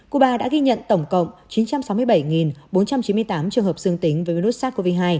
cuba đã ghi nhận tổng cộng chín trăm sáu mươi bảy bốn trăm chín mươi tám trường hợp dương tính với virus sars cov hai